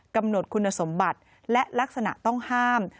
กำหนดคุณสมบัติและลักษณะต้องห้าม